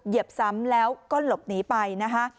ซ้ำแล้วก็หลบหนีไปนะคะ